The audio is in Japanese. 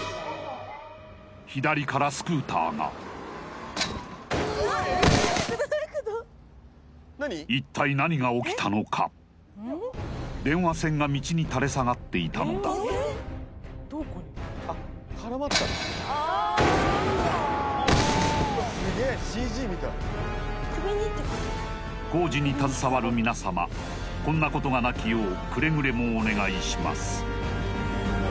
左からスクーターが一体何が起きたのか電話線が道に垂れ下がっていたのだ工事に携わる皆様こんなことがなきようくれぐれもお願いします